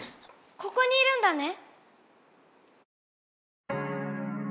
ここにいるんだね。